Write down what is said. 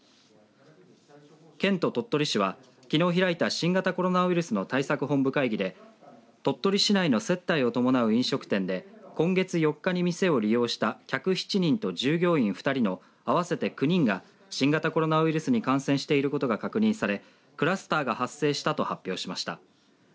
県と鳥取市はきのう開いた新型コロナウイルスの対策本部会議で鳥取市内の接待を伴う飲食店で今月４日に店を利用した客７人と従業員２人の合わせて９人が新型コロナウイルスに感染していることが確認されクラスターが発生したと発表しました。